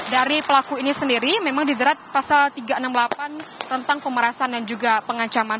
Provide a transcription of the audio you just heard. dari pelaku ini sendiri memang dijerat pasal tiga ratus enam puluh delapan tentang pemerasan dan juga pengancaman